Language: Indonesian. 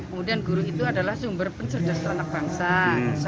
kemudian guru itu adalah sumber pencerdasan anak bangsa